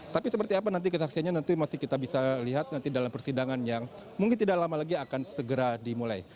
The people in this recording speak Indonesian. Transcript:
tapi seperti apa nanti kesaksiannya nanti masih kita bisa lihat nanti dalam persidangan yang mungkin tidak lama lagi akan segera dimulai